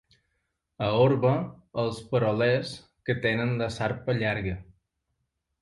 A Orba, els perolers que tenen la sarpa llarga.